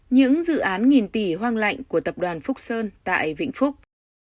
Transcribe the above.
những dự án nghìn tỷ hoang lạnh của tập đoàn phúc sơn tại vĩnh phúc